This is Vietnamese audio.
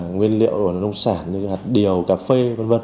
nguyên liệu nông sản hạt điều cà phê